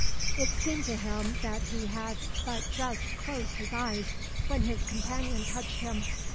It seemed to him that he had but just closed his eyes, when his companion touched him.